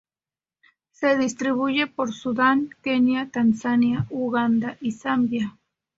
Se distribuye por Sudán, Kenia, Tanzania, Uganda y Zambia.